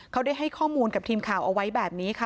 เขาได้ให้ข้อมูลกับทีมข่าวเอาไว้แบบนี้ค่ะ